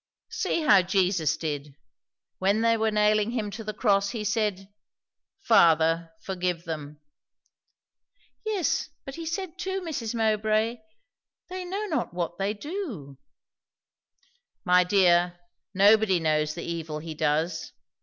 "See how Jesus did. When they were nailing him to the cross, he said, 'Father, forgive them.'" "Yes, but he said too, Mrs. Mowbray, 'they know not what they do.'" "My dear, nobody knows the evil he does.